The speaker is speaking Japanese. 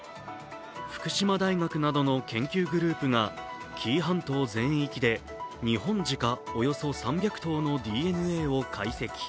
福島大学などの研究グループが紀伊半島全域でニホンジカおよそ３００頭のＤＮＡを解析。